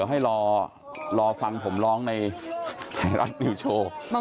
อะเมื่อสักครู่นี้รักษาเชื้อราย